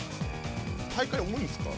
大会多いんですか？